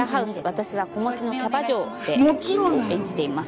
私は子持ちのキャバ嬢を演じています。